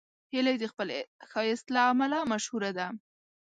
هیلۍ د خپل ښایست له امله مشهوره ده